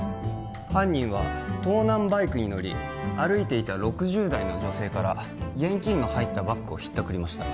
犯人は盗難バイクに乗り歩いていた６０代の女性から現金の入ったバッグをひったくりました